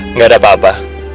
nggak ada apa apa